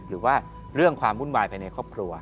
หรือว่าเรื่องความวุ่นวายภายในครอบครัว